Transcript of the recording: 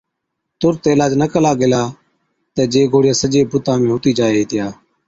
تُرت علاج نہ ڪلا گيلا تہ جي گوڙهِيا سجي بُتا هُتِي جائي هِتِيا